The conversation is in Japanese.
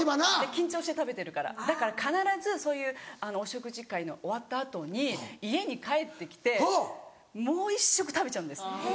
緊張して食べてるからだから必ずそういうお食事会の終わった後に家に帰ってきてもう１食食べちゃうんです。